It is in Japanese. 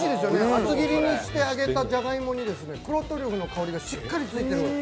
厚切りにして揚げたじゃがいもに黒トリュフの香りがしっかりついてる。